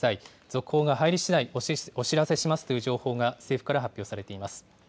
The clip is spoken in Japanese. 続報が入りしだいお知らせしますという情報が政府から発表されています。